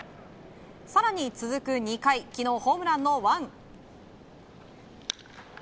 更に続く２回昨日ホームランのワン。